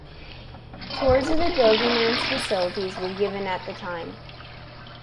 Tours of the building and its facilities were given at the time.